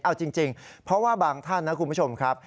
เอาจริงเพราะว่าบางท่านนะคุณผู้ชมครับ